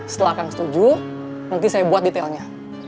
setelah akan setuju nanti saya buat detailnya